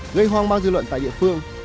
gây hoang mang dư luận tại địa phương